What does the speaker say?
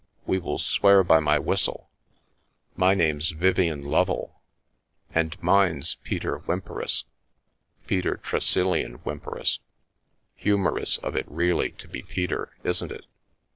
We will swear by my whistle." " My name's Vivien Lovel." "And mine's Peter Whymperis — Peter Tresillian Whymperis. Humorous of it really to be Peter, isn't it?"